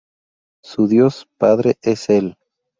Su dios padre es El.